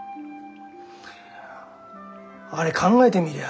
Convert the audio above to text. あれ考えてみりゃ